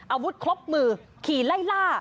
อาวุธครบมือขี่ไล่ล่า